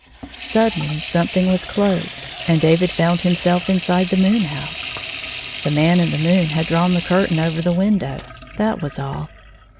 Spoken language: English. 54 Suddenly something was closed, and David found himself inside the moon house. The Man in the moon had drawn the curtain over the win dow, — that was all.